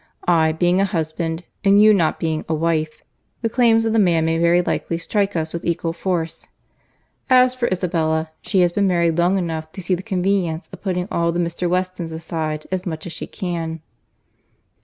I, being a husband, and you not being a wife, the claims of the man may very likely strike us with equal force. As for Isabella, she has been married long enough to see the convenience of putting all the Mr. Westons aside as much as she can."